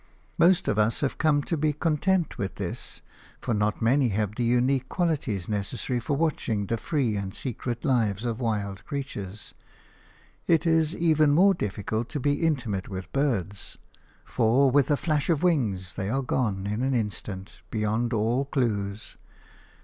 Most of us have to be content with this, for not many have the unique qualities necessary for watching the free and secret lives of the wild creatures. It is even more difficult to be intimate with birds, for with a flash of wings they are gone in an instant beyond all clues.